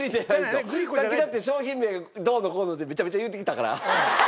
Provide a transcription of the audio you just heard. さっきだって商品名どうのこうのでめちゃめちゃ言うてきたから。